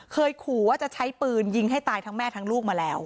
เคยขู่ว่าจะใช้ปืนยิงให้ตายทั้งแม่ทั้งลูกมาแล้ว